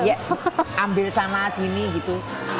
ya ambil sama sini gitu